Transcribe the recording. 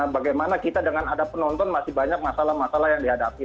bagaimana kita dengan ada penonton masih banyak masalah masalah yang dihadapi